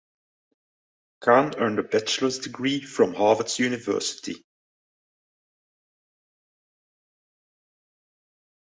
Kahn earned a bachelor's degree from Harvard University.